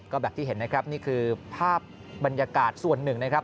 ก็แบบที่เห็นนะครับนี่คือภาพบรรยากาศส่วนหนึ่งนะครับ